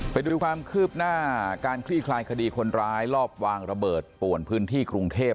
ไปดูความคืบหน้าการคลี่คลายคดีคนร้ายรอบวางระเบิดป่วนพื้นที่กรุงเทพ